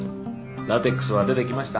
ラテックスは出てきました？